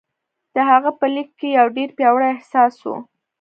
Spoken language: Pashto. د هغه په ليک کې يو ډېر پياوړی احساس و.